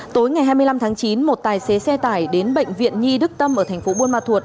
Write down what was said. tối ngày hai mươi năm tháng chín một tài xế xe tải đến bệnh viện nhi đức tâm ở thành phố buôn ma thuột